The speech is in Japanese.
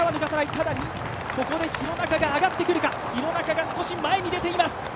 ただ、ここで廣中が上がってくるか廣中が少し前に出ています。